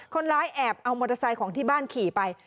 แอบเอามอเตอร์ไซค์ของที่บ้านขี่ไป